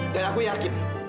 dan aku yakin